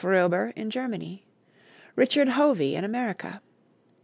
Roeber, in Germany; Richard Hovey in America.